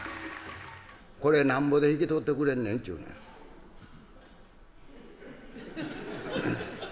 「これ何ぼで引き取ってくれんねんちゅうのや」。